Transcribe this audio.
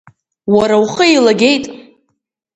Уара ухы еилагеит!